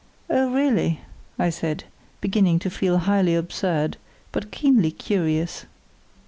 "Oh, really," I said, beginning to feel highly absurd, but keenly curious.